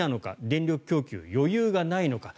電力供給、余裕がないのか。